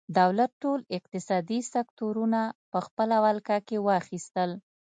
دولت ټول اقتصادي سکتورونه په خپله ولکه کې واخیستل.